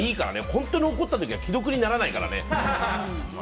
本当に怒った時は既読にならないからね。